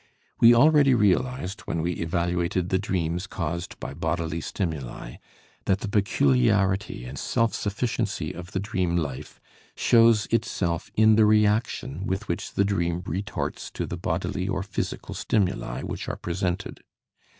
We already realized, when we evaluated the dreams caused by bodily stimuli, that the peculiarity and self sufficiency of the dream life shows itself in the reaction with which the dream retorts to the bodily or physical stimuli which are presented.